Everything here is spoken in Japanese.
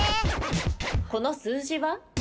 この数字は？